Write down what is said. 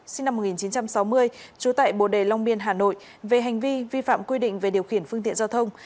sinh năm một nghìn chín trăm sáu mươi trú tại bồ đề long biên hà nội về hành vi vi phạm quy định về điều khiển phương tiện giao thông